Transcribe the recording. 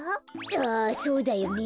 ああそうだよねえ。